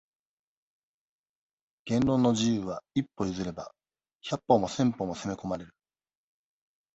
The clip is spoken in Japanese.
言論の自由は、一歩譲れば、百歩も千歩も攻め込まれる。